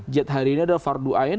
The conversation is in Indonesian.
jt hari ini adalah fardu ain